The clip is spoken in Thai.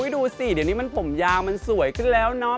ดูสิเดี๋ยวนี้มันผมยาวมันสวยขึ้นแล้วเนาะ